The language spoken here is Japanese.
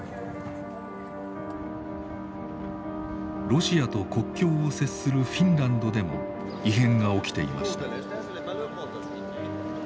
ロシアと国境を接するフィンランドでも異変が起きていました。